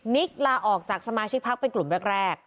ลาออกจากสมาชิกพักเป็นกลุ่มแรก